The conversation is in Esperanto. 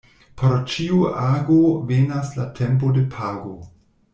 Por ĉiu ago venas la tempo de pago.